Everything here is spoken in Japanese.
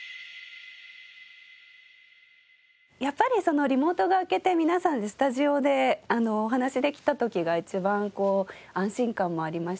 やっぱりリモートが明けて皆さんでスタジオでお話できた時が一番安心感もありましたし。